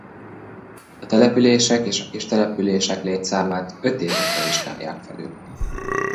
A települések és a kistelepülések létszámát öt évente vizsgálják felül.